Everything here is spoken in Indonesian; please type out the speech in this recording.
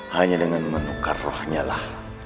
hanya dengan menukar rohnya lah